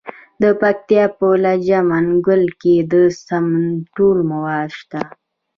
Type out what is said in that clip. د پکتیا په لجه منګل کې د سمنټو مواد شته.